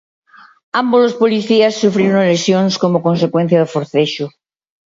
Ambos os policías sufriron lesións como consecuencia do forcexo.